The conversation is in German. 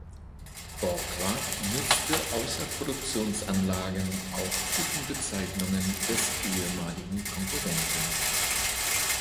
Borgward nutzte außer Produktionsanlagen auch Typenbezeichnungen des ehemaligen Konkurrenten.